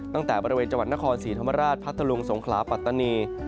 ตั้งแต่บริเวณจังหวัดนครศรีธรรมราชพัทธลุงสงขลาปัตตานี